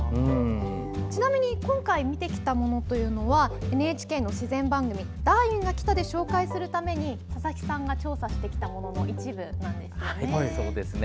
ちなみに今回、見てきたものはＮＨＫの自然番組「ダーウィンが来た！」で紹介するために、佐々木さんが調査してきたものの一部なんです。